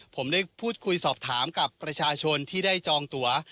ผมได้พูดคุยสอบถามกับประชาชนที่ได้จองตัว